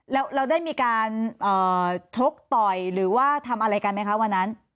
แล้วเราได้มีการชกต่อยหรือว่าทำอะไรกันไหมคะวันนั้น